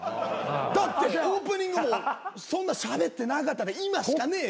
だってオープニングもそんなしゃべってなかったら今しかねえよ。